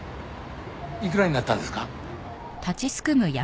いくらになったんですか？